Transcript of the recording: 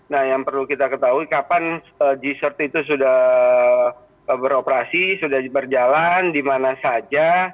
nah yang perlu kita ketahui kapan g cert itu sudah beroperasi sudah berjalan di mana saja